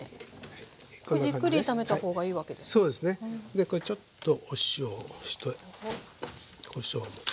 でこれちょっとお塩をしてこしょうもちょっとして。